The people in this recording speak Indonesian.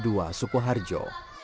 sd negeri palur ii sukuharjo